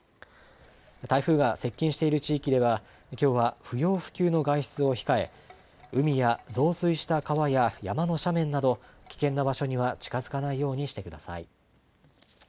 台風が接近している地域では、きょうは不要不急の外出を控え、海や増水した川や山の斜面など、危険な場所には近づかないようにしてください。